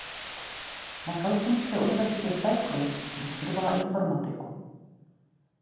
Na Kalifornské univerzitě v Berkeley vystudovala informatiku.